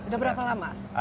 sudah berapa lama